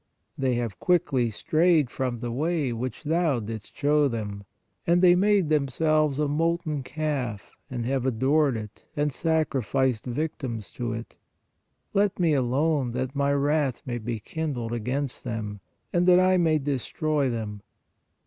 They have quickly strayed from the way, which thou didst show them ; and they made themselves a molten calf, and have adored it and sacrificed victims to it. ... Let Me alone, that My wrath may be kindled against them, and that I may destroy them."